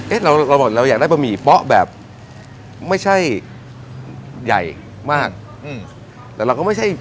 เอ๊ะเราก็ซื้อเข้ามาเราอยากได้บะหมี่เปาะแบบไม่ใช่ใหญ่มากอืมแต่เราก็ไม่ใช่